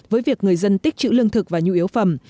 với việc người dân tích chữ lương thực và nhu yếu phẩm